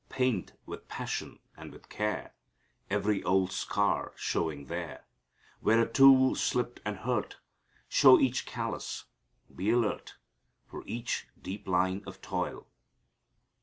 Paint with passion and with care Every old scar showing there Where a tool slipped and hurt; Show each callous; be alert For each deep line of toil.